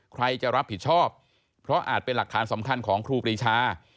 ใครจะรับผิดชอบเพราะอาจเป็นหลักฐานสำคัญของครูปรีชา